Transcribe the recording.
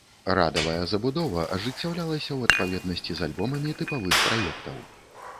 Радавая забудова ажыццяўлялася ў адпаведнасці з альбомамі тыпавых праектаў.